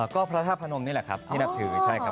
ก็ประธาบนมนี่ล่ะครับที่นับถือ